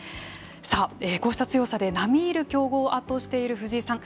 さあこうした強さで並みいる強豪を圧倒している藤井さん。